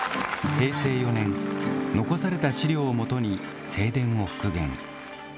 平成４年、残された資料を基に正殿を復元。